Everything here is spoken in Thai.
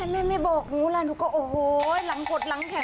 แม่แม่บอกทุกอย่างโอ้โหล้างพดล้างแขม